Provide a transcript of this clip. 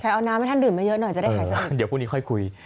คายเอาน้ำให้ท่านดื่มมาเยอะหน่อยจะได้ถ่ายทะว์